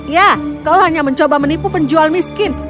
ya kau hanya mencoba menipu penjual miskin